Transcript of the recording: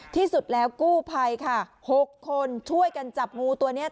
ที่สุดแล้วกู้ภัยค่ะ๖คนช่วยกันจับงูตัวนี้